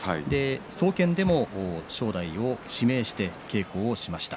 総見でも正代を指名して稽古をしました。